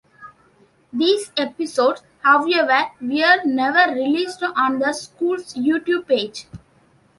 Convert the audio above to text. These episodes, however, were never released on the school's Youtube page.